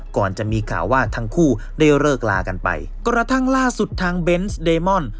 ก่อนจะมีข่าวว่าทั้งคู่ได้เลิกลากันไปกระทั่งล่าสุดทางเบนส์เดมอน